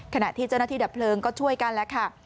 ขณะที่เจ้าหน้าที่ดับเพลิงก็ช่วยกันแล้วค่ะ